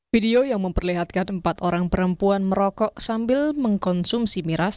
video yang memperlihatkan empat orang perempuan merokok sambil mengkonsumsi miras